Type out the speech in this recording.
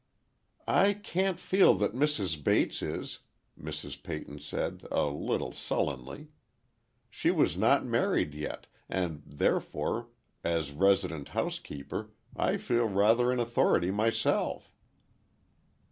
"I can't feel that Mrs. Bates is," Mrs. Peyton said, a little sullenly. "She was not married yet, and therefore, as resident housekeeper, I feel rather in authority myself."